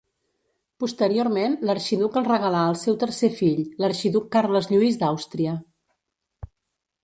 Posteriorment, l'arxiduc el regalà al seu tercer fill, l'arxiduc Carles Lluís d'Àustria.